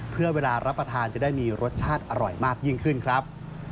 เพื่อเวลารับประทานจะได้มีรสชาติอร่อยมากยิ่งขึ้นครับ